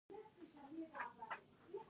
ایا ستاسو لارې به خلاصې نه شي؟